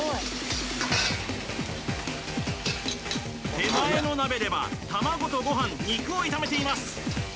手前の鍋では卵とご飯肉を炒めています